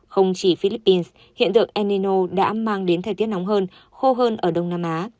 không chỉ philippines hiện tượng enino đã mang đến thời tiết nóng hơn khô hơn ở đông nam á